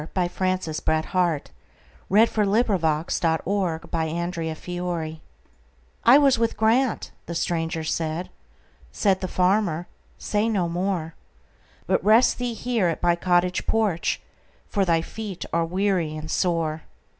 By Francis BretHarte 748 The Aged Stranger "I WAS with Grant"—the stranger said; Said the farmer, "Say no more, But rest thee here at my cottage porch, For thy feet are weary and sore."